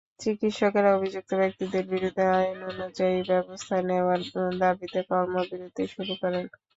চিকিত্সকেরা অভিযুক্ত ব্যক্তিদের বিরুদ্ধে আইনানুগ ব্যবস্থা নেওয়ার দাবিতে কর্মবিরতি শুরু করেন।